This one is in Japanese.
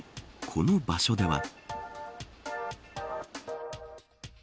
この場所では。